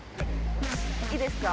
いいですか？